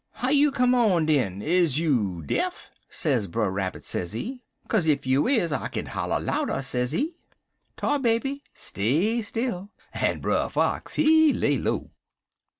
"'How you come on, den? Is you deaf?' sez Brer Rabbit, sezee. 'Kaze if you is, I kin holler louder,' sezee. "Tar Baby stay still, en Brer Fox, he lay low.